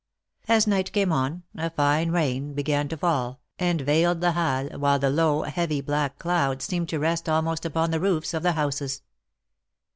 As night came on, a fine rain began to fall, and veiled the Halles, while the low, heavy, black clouds seemed to rest almost upon the roofs of the houses.